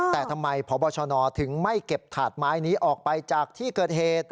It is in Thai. แต่ทำไมพบชนถึงไม่เก็บถาดไม้นี้ออกไปจากที่เกิดเหตุ